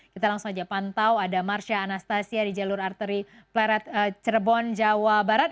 kita langsung saja pantau ada marsha anastasia di jalur arteri pleret cirebon jawa barat